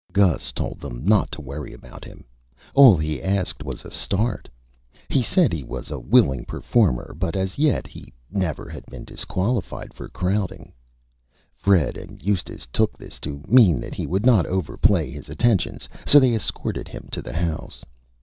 Gus told them not to Worry about him. All he asked was a Start. He said he was a Willing Performer, but as yet he never had been Disqualified for Crowding. Fred and Eustace took this to mean that he would not Overplay his Attentions, so they escorted him to the House.